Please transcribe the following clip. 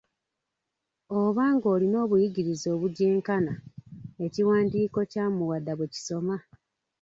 Oba ng'alina obuyigirize obugyenkana, ekiwandiiko kya Muwada bwe kisoma.